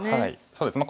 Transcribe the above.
そうですね